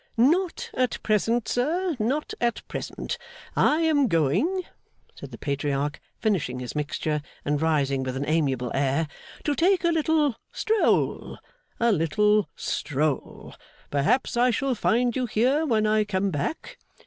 'Not at present, sir, not at present. I am going,' said the Patriarch, finishing his mixture, and rising with an amiable air, 'to take a little stroll, a little stroll. Perhaps I shall find you here when I come back.